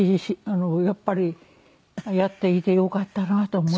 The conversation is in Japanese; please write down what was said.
やっぱりやっていてよかったなと思います。